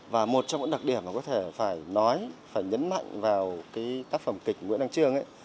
và một trong những đặc điểm mà có thể phải nói phải nhấn mạnh vào cái tác phẩm kịch nguyễn đăng trương